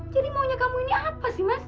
jadi maunya kamu ini apa sih mas